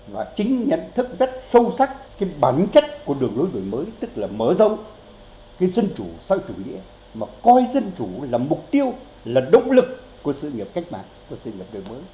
và chính nhận thức rất sâu sắc cái bản chất của đường lối đổi mới tức là mở rộng cái dân chủ sau chủ nghĩa mà coi dân chủ là mục tiêu là động lực của sự nghiệp cách mạng và sự nghiệp đổi mới